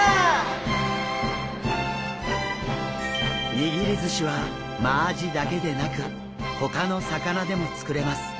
握り寿司はマアジだけでなくほかの魚でも作れます。